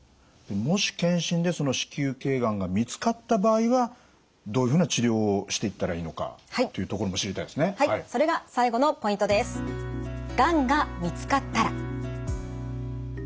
もし検診でその子宮頸がんが見つかった場合はどういうふうな治療をしていったらいいのかというところも知りたいですね。